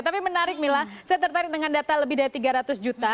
tapi menarik mila saya tertarik dengan data lebih dari tiga ratus juta